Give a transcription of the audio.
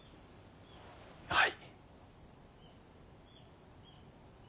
はい。